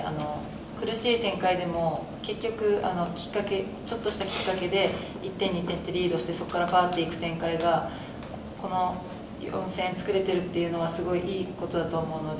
苦しい展開でも結局ちょっとしたきっかけで１点、２点とリードしてそこから変わっていく展開がこの４戦作れているのはすごい、いいことだと思うので。